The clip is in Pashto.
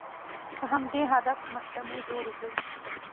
په همدې هدف محکمې جوړې کړې